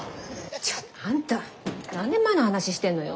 ちょっとあんた何年前の話してんのよ？